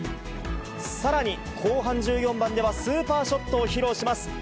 さらに、後半１４番ではスーパーショットを披露します。